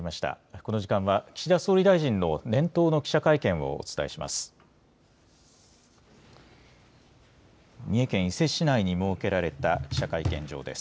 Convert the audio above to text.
この時間は、岸田総理大臣の年頭の記者会見をお伝えします。